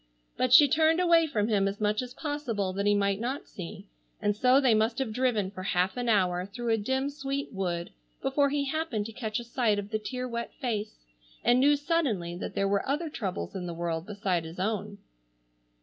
But she turned away from him as much as possible that he might not see, and so they must have driven for half an hour through a dim sweet wood before he happened to catch a sight of the tear wet face, and knew suddenly that there were other troubles in the world beside his own.